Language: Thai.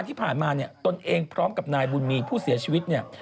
ที่ผ่านมาเนี่ยตนเองพร้อมกับนายบุญมีผู้เสียชีวิตเนี่ย